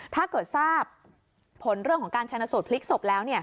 ถ้าเกิดทราบผลเรื่องของการชนะสูตรพลิกศพแล้ว